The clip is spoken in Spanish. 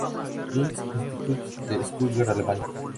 Jung Institute de Stuttgart", Alemania.